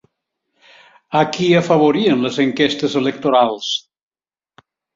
A qui afavorien les enquestes electorals?